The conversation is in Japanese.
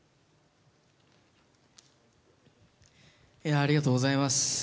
ありがとうございます。